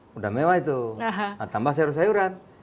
sudah mewah itu tambah sayur sayuran